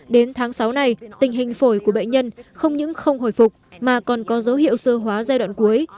đến tháng sáu này tình hình phổi của bệnh nhân không những không hồi phục mà còn có dấu hiệu sơ hóa giai đoạn cuối